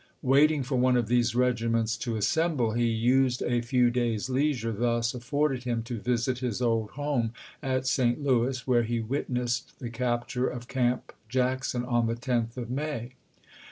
Waiting for one of these regi ments to assemble, he used a few days' leisure thus afforded him to \dsit his old home at St. Louis, where he witnessed the capture of Camp Jackson on the 10th of May.